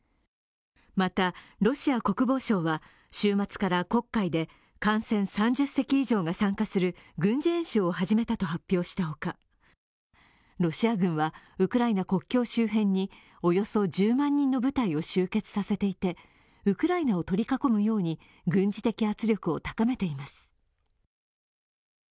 またロシア国防省は、週末から黒海で艦船３０隻以上が参加する軍事演習を始めたと発表したほか、ロシア軍はウクライナ国境周辺におよそ１０万人の部隊を集結させていて、ウクライナを取り囲むように軍事的圧力を高めています。